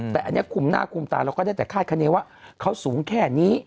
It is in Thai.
แต่อันนี้คุมหน้าคุมตาเราก็ได้แต่คาดคณีว่าเขาสูงแค่นี้